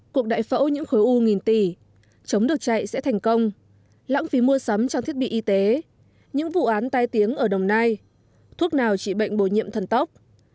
cuộc đại phẫu những khối u nghìn tỷ chống đột chạy sẽ thành công lãng phí mua sắm trong thiết bị y tế những vụ án tai tiếng ở đồng nai thuốc nào trị bệnh bồi nhiệm thần tóc